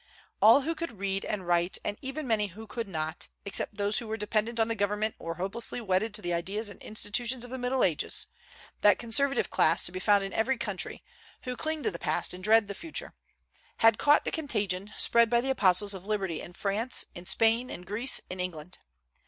All who could read and write, and even many who could not, except those who were dependent on the government or hopelessly wedded to the ideas and institutions of the Middle Ages, that conservative class to be found in every country, who cling to the past and dread the future, had caught the contagion spread by the apostles of liberty in France, in Spain, in Greece, in England.